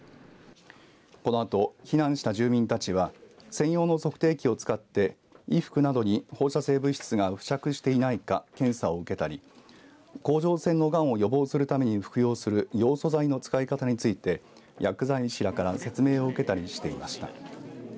このあと避難した住民たちは専用の測定器を使って衣服などに放射性物質が付着していないか検査を受けたり甲状腺のがんを予防するために服用するヨウ素剤の使い方について薬剤師らから説明を受けたりしていました。